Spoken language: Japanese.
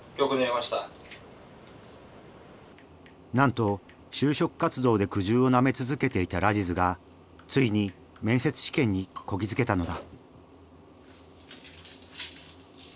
なんと就職活動で苦渋をなめ続けていたラジズがついに面接試験にこぎ着けたのだ。